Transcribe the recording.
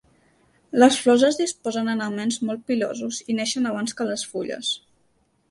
Les flors es disposen en aments molt pilosos i neixen abans que les fulles.